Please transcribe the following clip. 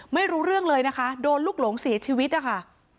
ไม่รู้เรื่องเลยนะคะโดนลูกหลงเสียชีวิตนะคะ